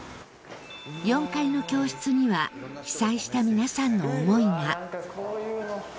４階の教室には被災した皆さんの思いが富澤：